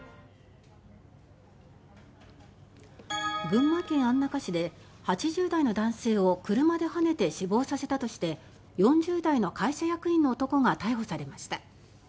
群馬県安中市で８０代の男性を車ではねて死亡させたとして４０代の会社役員の男が逮捕されました。